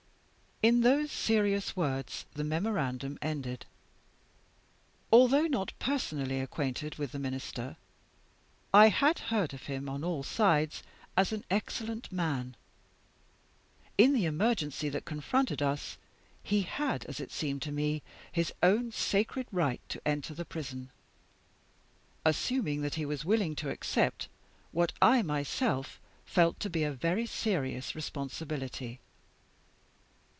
In those serious words the Memorandum ended. Although not personally acquainted with the Minister I had heard of him, on all sides, as an excellent man. In the emergency that confronted us he had, as it seemed to me, his own sacred right to enter the prison; assuming that he was willing to accept, what I myself felt to be, a very serious responsibility.